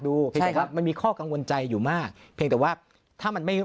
เห็นไหมครับมันมีข้อกังวลใจอยู่มากเพียงแต่ว่าถ้ามันไม่